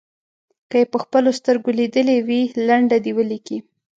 که یې په خپلو سترګو لیدلې وي لنډه دې ولیکي.